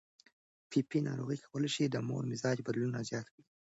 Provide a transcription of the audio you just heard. پي پي پي ناروغي کولی شي د مور مزاج بدلونونه زیات کړي.